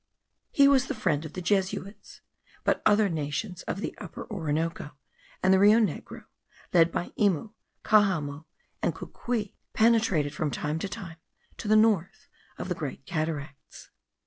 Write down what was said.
He was the friend of the Jesuits; but other nations of the Upper Orinoco and the Rio Negro, led by Imu, Cajamu, and Cocuy, penetrated from time to time to the north of the Great Cataracts.